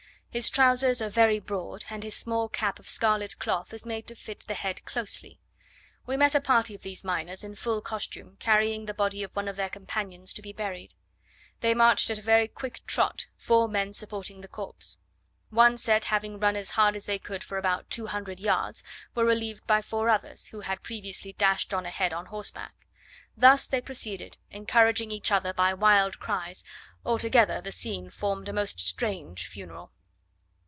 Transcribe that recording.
His trousers are very broad, and his small cap of scarlet cloth is made to fit the head closely. We met a party of these miners in full costume, carrying the body of one of their companions to be buried. They marched at a very quick trot, four men supporting the corpse. One set having run as hard as they could for about two hundred yards, were relieved by four others, who had previously dashed on ahead on horseback. Thus they proceeded, encouraging each other by wild cries: altogether the scene formed a most strange funeral.